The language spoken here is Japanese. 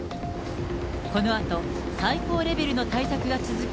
このあと、最高レベルの対策が続く